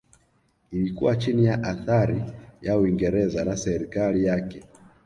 Ilikuwa chini ya athari ya Uingereza na serikali yake